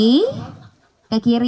kemudian ke kiri